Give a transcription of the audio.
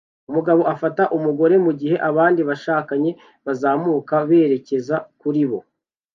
Umugabo afata umugore mugihe abandi bashakanye bazamuka berekeza kuri bo